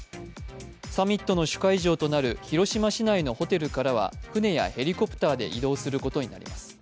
サミットの主会場となる広島市内のホテルからは船やヘリコプターで移動することになります。